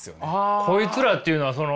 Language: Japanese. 「こいつら」っていうのはその。